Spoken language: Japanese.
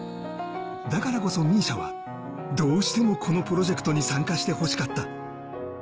だからこそＭＩＳＩＡは、どうしてもこのプロジェクトに参加してほしかった。